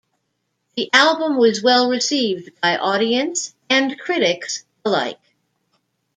The album was well received by audience and critics alike.